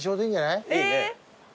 いいね。